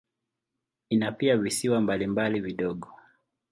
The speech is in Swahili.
Ina pia visiwa mbalimbali vidogo.